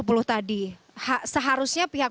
seharusnya pihak pemerintah provinsi dki jawa